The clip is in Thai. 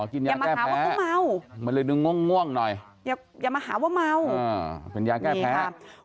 อ๋อกินยาแก้แพ้อย่ามาหาว่าเมาเป็นยาแก้แพ้อย่ามาหาว่าเมา